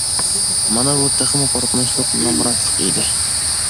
مانا بۇ تېخىمۇ قورقۇنچلۇق نامراتلىق ئىدى!